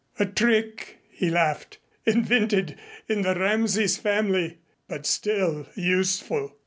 "A trick," he laughed, "invented in the Rameses family but still useful."